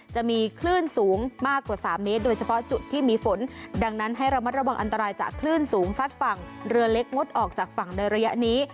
จะมีคลื่นสูงมากกว่า๓เมตรโดยเฉพาะจุดที่มีฝนดังนั้นให้ระมัดระวังอันตรายจากคลื่นสูงซัดฝั่งเรือเล็กงดออกจากฝั่งในระยะนี้